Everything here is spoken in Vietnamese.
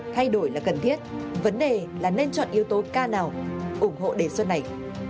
thay đổi là cần thiết vấn đề là nên chọn yếu tố k nào ủng hộ đề xuất này